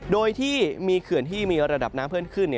โดยที่มีเขื่อนที่มีระดับน้ำเพิ่มขึ้น